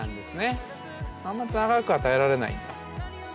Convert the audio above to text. あんま長くは耐えられないんだ。